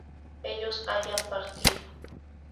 ellos hayan partido